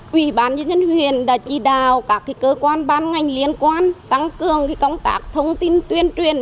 quỹ bán nhân dân huyền đã chỉ đào các cơ quan ban ngành liên quan tăng cường công tác thông tin tuyên truyền